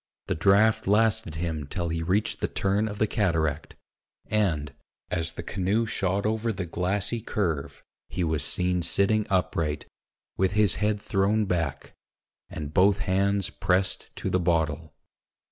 The draught lasted him till he reached the turn of the cataract; and, as the canoe shot over the glassy curve, he was seen sitting upright, with his head thrown back, and both hands pressed to the bottle.